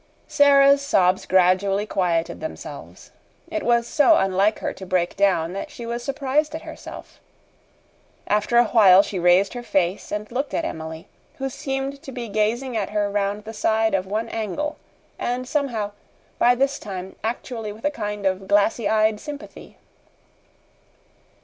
Sara's sobs gradually quieted themselves. It was so unlike her to break down that she was surprised at herself. After a while she raised her face and looked at Emily, who seemed to be gazing at her round the side of one angle, and, somehow, by this time actually with a kind of glassy eyed sympathy.